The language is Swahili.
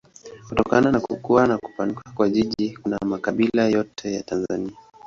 Kutokana na kukua na kupanuka kwa jiji kuna makabila yote ya Tanzania.